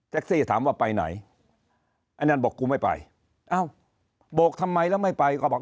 เท็กซี่ถามว่าไปไหนอันนั้นบอกกูไม่ไป